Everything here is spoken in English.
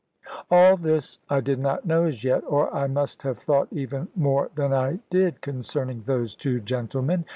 All this I did not know as yet, or I must have thought even more than I did concerning those two gentlemen.